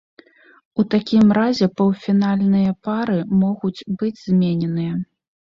У такім разе паўфінальныя пары могуць быць змененыя.